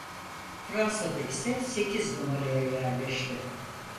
Fransa'da ise sekiz numaraya yerleşti.